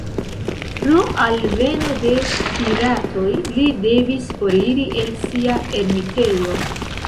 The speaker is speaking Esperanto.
Pro alveno de piratoj, li devis foriri el sia ermitejo.